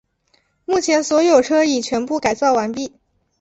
目前所有车已全部改造完毕。